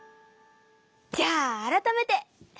じゃあ改めて！